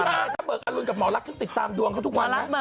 ใช่ทั้งเบิกอรุณกับหมอลักษณ์ติดตามดวงเขาทุกวันไหม